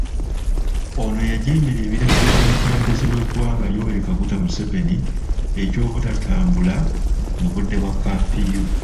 Ono yajeemera ebiragiro by'omukulembeze w'eggwanga Yoweri Kaguta Museveni eky'obutatambula mu budde bwa kaafiyu.